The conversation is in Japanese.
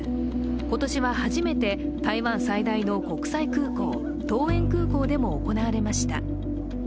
今年は初めて台湾最大の国際空港、桃園空港でも行われました。